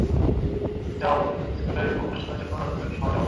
যাও, স্কুলের অনুষ্ঠানের জন্য তৈরি হও, যাও।